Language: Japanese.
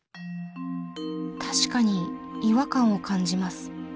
確かに違和感を感じます。